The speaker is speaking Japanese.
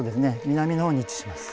南の方に位置します。